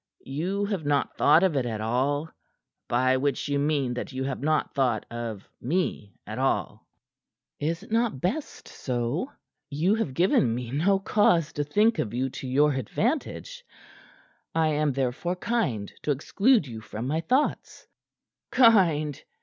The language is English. You have not thought of it at all by which you mean that you have not thought of me at all." "Is't not best so? You have given me no cause to think of you to your advantage. I am therefore kind to exclude you from my thoughts." "Kind?"